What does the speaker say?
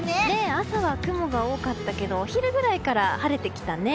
朝は雲が多かったけどお昼くらいから晴れてきたね。